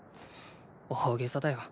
大げさだよ。